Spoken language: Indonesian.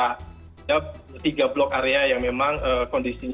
kita punya tiga blok area yang memang kondisinya